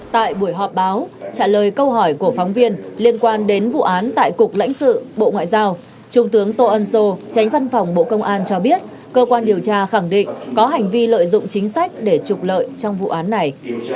tại buổi họp báo trả lời câu hỏi của phóng viên liên quan đến vụ án tại cục lãnh sự bộ ngoại giao trung tướng tô ân sô tránh văn phòng bộ công an cho biết cơ quan điều tra khẳng định có hành vi lợi dụng chính sách để trục lợi trong vụ án này